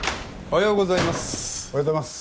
おはようございます。